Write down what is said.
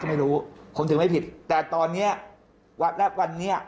ก็ไม่รู้ผมถือว่าไม่ผิดแต่ตอนนี้วัดแรกวันนี้